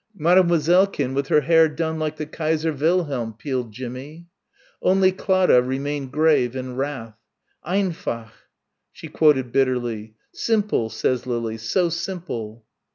"Mademoisellekin with her hair done like the Kaiser Wilhelm," pealed Jimmie. Only Clara remained grave in wrath. "Einfach," she quoted bitterly, "Simple says Lily, so simple!"